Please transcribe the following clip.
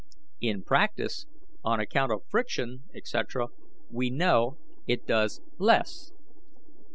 In practice, on account of friction, etc., we know it does less.